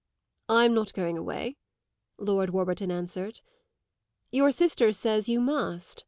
"I'm not going away," Lord Warburton answered. "Your sister says you must.